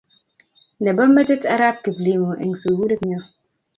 Nebo metit arap Kiplimo eng' sugulit nyo.